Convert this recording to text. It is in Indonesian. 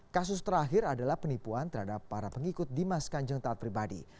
kasus terakhir adalah penipuan terhadap para pengikut dimas kanjeng taat pribadi